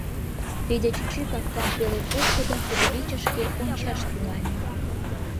Федя чӱчӱ капкам пеле почо да кудывечышке ончаш тӱҥале.